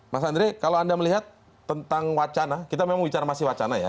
mas andre kalau anda melihat tentang wacana kita memang bicara masih wacana ya